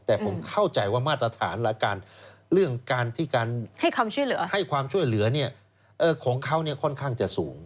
แต่ผมเข้าใจว่ามาตรฐานและการเรื่องการที่การให้ความช่วยเหลือของเขาค่อนข้างจะสูง